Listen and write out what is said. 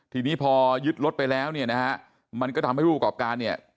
ทีนี้พอยึดรถไปแล้วเนี่ยนะฮะมันก็ทำให้ผู้ประกอบการเนี่ย